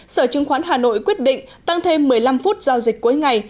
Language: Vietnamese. sở chứng khoán hà nội quyết định tăng thêm một mươi năm phút giao dịch cuối ngày